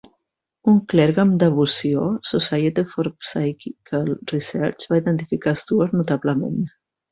Un clergue amb devoció, Society for Psychical Research va identificar Steward notablement.